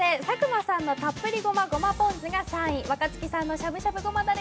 佐久間さんのたっぷりごまごまポン酢が３位、若槻さんのしゃぶしゃぶごま